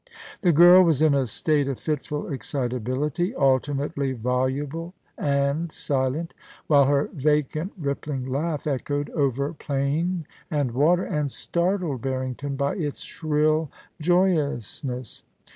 The girl was in a state of fitful excitability, alternately voluble and silent, while her vacant, rippling laugh echoed over plain and water, and startled Harrington by its shrill joyousness.